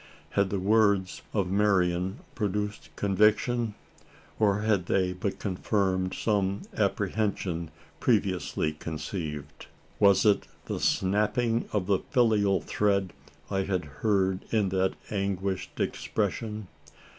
Had the words of Marian produced conviction? or had they but confirmed some apprehension previously conceived? Was it the snapping of the filial thread I had heard in that anguished expression?